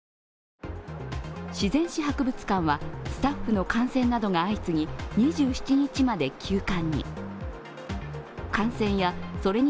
自然史博物館はスタッフの感染などが相次ぎ２７日まで休館に。